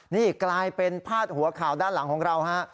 นี่กลายเป็นพาดหัวข่าวด้านหลังของเราฮะ